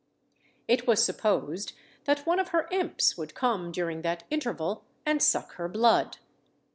It was supposed that one of her imps would come during that interval and suck her blood.